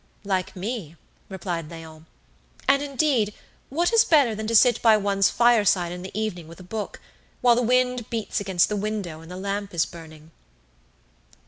"Like me," replied Léon. "And indeed, what is better than to sit by one's fireside in the evening with a book, while the wind beats against the window and the lamp is burning?"